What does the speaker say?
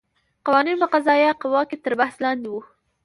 قوانین په قضایه قوه کې تر بحث لاندې وو.